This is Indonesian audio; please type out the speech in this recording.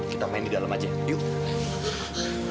kita main di dalam aja yuk